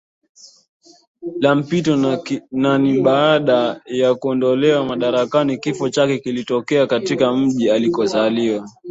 la Mpito na ni baada ya kuondolewa madarakani Kifo chake kilitokea katika mji alikozaliwa